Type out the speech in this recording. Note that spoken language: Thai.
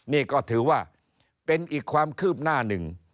นี่ก็ถือว่าเป็นอีกความคืบหน้าหนึ่ง